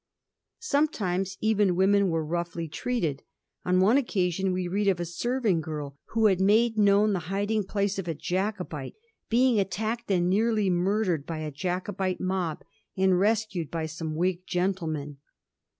Sometimes even women were roughly treated. On one occasion we read of a serving girl, who had made known the hiding place of a Jacobite, being attacked and nearly miu dered by a Jacobite mob, and rescued by some Whig gentlemen.